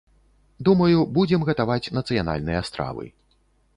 Думаю, будзем гатаваць нацыянальныя стравы.